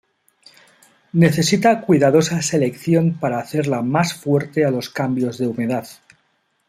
Necesita cuidadosa selección para hacerla más fuerte a los cambios de humedad.